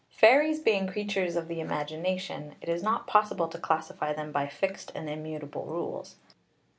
Fairies being creatures of the imagination, it is not possible to classify them by fixed and immutable rules.